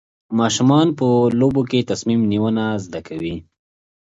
ماشومان په لوبو کې تصمیم نیونه زده کوي.